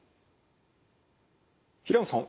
平野さん